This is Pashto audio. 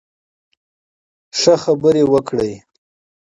ښه، خبرې وکړئ